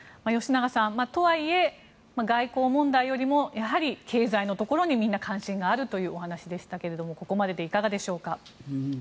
吉永さん、とはいえ外交問題よりもやはり経済のところにみんな関心があるというお話でしたがここまででいかがでしょうか。